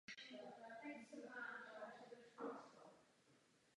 Uprostřed kříže je kulatý tmavě modře smaltovaný medailon se zlatým portrétem Athény.